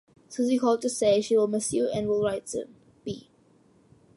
Suzy called to say she will miss you and will write soon.B.